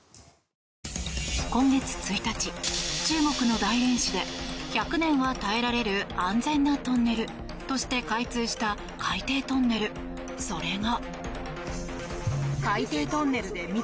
今月１日、中国の大連市で１００年は耐えられる安全なトンネルとして開通した海底トンネル、それが。